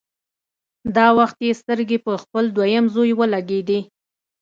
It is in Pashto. دا وخت يې سترګې په خپل دويم زوی ولګېدې.